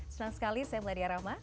senang sekali saya meladia rahma